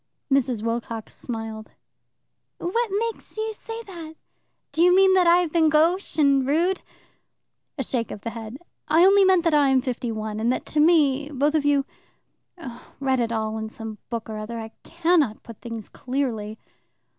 Mrs. Wilcox smiled. "What makes you say that? Do you mean that I have been gauche and rude?" A shake of the head. "I only meant that I am fifty one, and that to me both of you Read it all in some book or other; I cannot put things clearly."